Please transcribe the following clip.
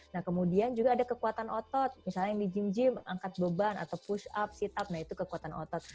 nah kemudian juga ada kekuatan otot misalnya yang di gym gym angkat beban atau push up sit up nah itu kekuatan otot